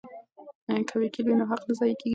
که وکیل وي نو حق نه ضایع کیږي.